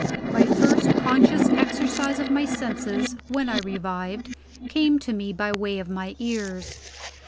My first conscious exercise of my senses, when I revived, came to me by way of my ears.